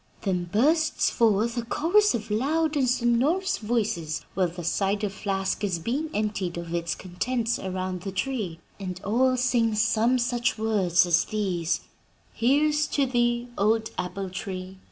Then bursts forth a chorus of loud and sonorous voices while the cider flask is being emptied of its contents around the tree, and all sing some such words as these: "'"Here's to thee, old apple tree!